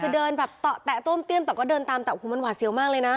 คือเดินแบบเตาะแตะโต้มเตี้ยมแต่ก็เดินตามแต่โอ้โหมันหวาดเสียวมากเลยนะ